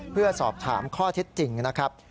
เพื่อสอบถามข้อเท็จจริงนะครับ